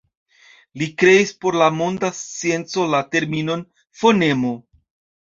Li kreis por la monda scienco la terminon fonemo.